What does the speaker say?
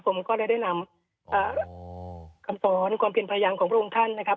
ผมก็ได้นำคำสอนความเป็นพยายามของพระองค์ท่านนะครับ